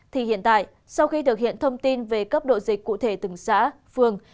thì hiện tại sau khi thực hiện thông tin về cấp độ dịch cụ thể từng xã phường